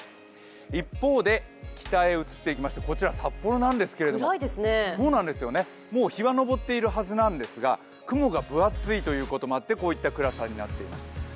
一方で、北へ移っていきましてこちら札幌なんですけどもう日は昇っているはずなんですが雲が分厚いということもあってこういった暗さになっています。